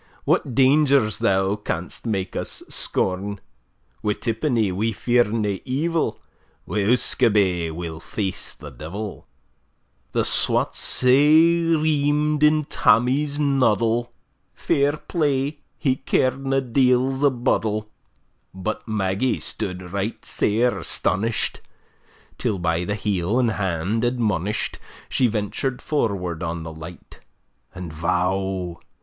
What dangers thou canst make us scorn; Wi' tippenny, we fear nae evil; Wi' usquabae we'll face the devil! The swats sae ream'd in Tammie's noddle, Fair play, he car'd na deils a boddle. But Maggie stood right sair astonish'd, Till, by the heel and hand admonish'd, She ventur'd forward on the light: And, vow!